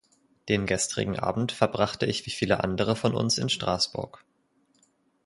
Den gestrigen Abend verbrachte ich wie viele andere von uns in Straßburg.